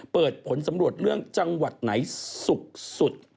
ผลสำรวจเรื่องจังหวัดไหนสุขสุด